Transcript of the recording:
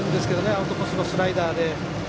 アウトコースのスライダーで。